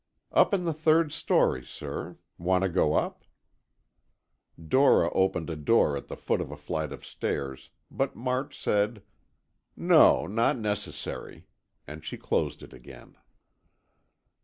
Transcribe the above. "Up in the third story, sir. Want to go up?" Dora opened a door at the foot of a flight of stairs, but March said, "No, not necessary," and she closed it again.